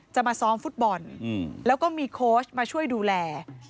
จะมาซ้อมฟุตบอลแล้วก็มีโค้ชมาช่วยดูแล